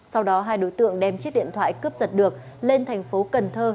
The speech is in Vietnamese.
sau đó hai đối tượng đem chiếc điện thoại cướp giật được lên thành phố cần thơ